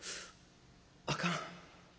あかん。